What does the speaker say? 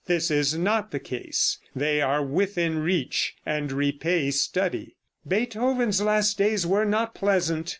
This is not the case. They are within reach, and repay study. Beethoven's last days were not pleasant.